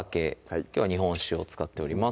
きょうは日本酒を使っております